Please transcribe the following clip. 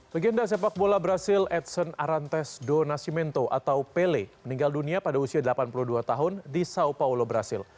legenda sepak bola brazil edson arantes donasimento atau pele meninggal dunia pada usia delapan puluh dua tahun di saopaulo brazil